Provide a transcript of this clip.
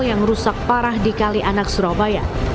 yang rusak parah di kali anak surabaya